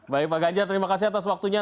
baik pak ganjar terima kasih atas waktunya